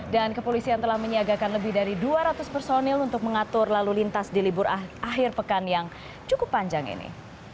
dan kepolisian telah menyiagakan lebih dari dua ratus personil untuk mengatur lalu lintas di libur akhir pekan yang cukup panjang ini